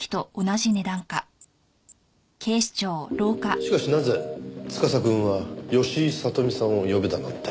しかしなぜ司くんは吉井聡美さんを呼べだなんて。